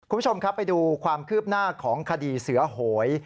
คุณผู้ชมครับไปดูความคืบหน้าของคดีเสือโหย